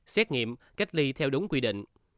xét nghiệm cách ly theo đúng quy định